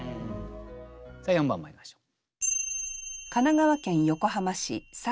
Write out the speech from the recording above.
さあ４番まいりましょう。